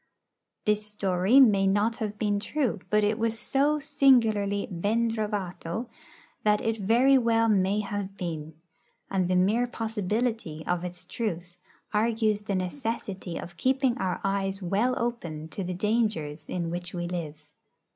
This story may not have been true; but it was so singularly ben trovato that it very well may have been; and the mere possibility of its truth argues the necessity of keeping our eyes well open to the dangers in which we live.